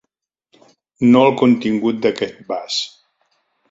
No el contingut d'aquest vas.